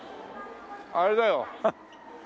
あれだよ。